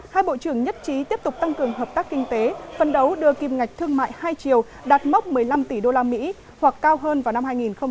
hai bộ trưởng nhất trí tiếp tục tăng cường hợp tác kinh tế phân đấu đưa kim ngạch thương mại hai triệu đạt mốc một mươi năm tỷ usd hoặc cao hơn vào năm hai nghìn hai mươi